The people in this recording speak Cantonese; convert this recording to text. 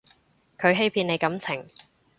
佢欺騙你感情